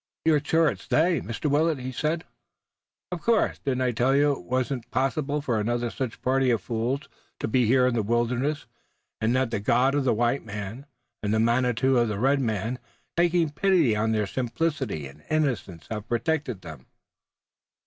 "You're sure it's they, Mr. Willet?" he said. "Of course. Didn't I tell you it wasn't possible for another such party of fools to be here in the wilderness, and that the God of the white man and the Manitou of the red man taking pity on their simplicity and innocence have protected them?"